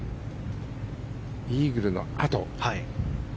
イーグルのあと。